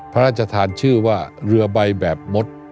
พระราชทานชื่อว่าเรือใบแบบมด